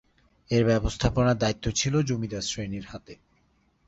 এর ব্যবস্থাপনার দায়িত্ব ছিল জমিদার শ্রেণীর হাতে।